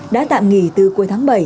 đã tạm nghỉ từ cuối tháng bảy